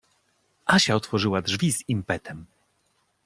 Asia otworzyła drzwi z impetem.